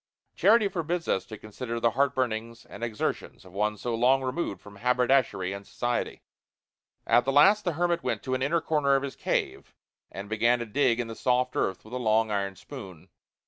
Charity forbids us to consider the heartburnings and exertions of one so long removed from haberdashery and society. At the last the hermit went to an inner corner of his cave and began to dig in the soft earth with a long iron spoon.